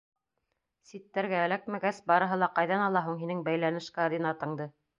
Ситтәргә эләкмәгәс, барыһы ла ҡайҙан ала һуң һинең бәйләнеш координатаңды?!